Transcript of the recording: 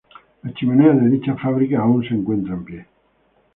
La chimenea de dicha fábrica aún se encuentra en pie.